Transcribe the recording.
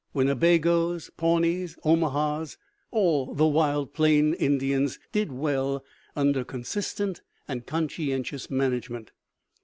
Winnebagoes, Pawnees, Omahas, all the wild Plains Indians did well under consistent and conscientious management.